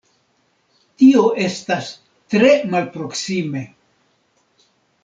Tio estas tre malproksime.